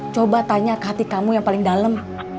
coba tanya ke hati kamu yang paling dalam